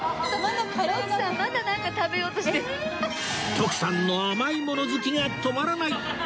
徳さんの甘いもの好きが止まらない！